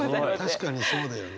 確かにそうだよね。